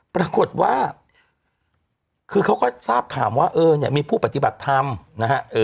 ปรากฏว่าคือเขาก็ทราบข่าวว่าเออเนี่ยมีผู้ปฏิบัติธรรมนะฮะ